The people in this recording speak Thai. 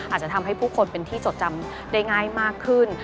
อาจจะทำให้ผู้คนเป็นที่จดจำได้ง่ายมากขึ้น